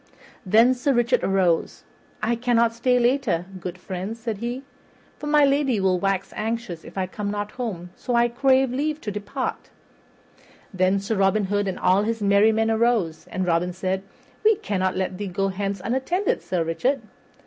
Then Sir Richard arose. "I cannot stay later, good friends," said he, "for my lady will wax anxious if I come not home; so I crave leave to depart." Then Robin Hood and all his merry men arose, and Robin said, "We cannot let thee go hence unattended, Sir Richard."